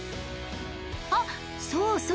あっそうそう。